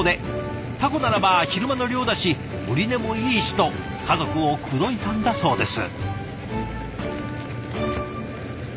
「タコならば昼間の漁だし売値もいいし」と家族を口説いたんだそうです。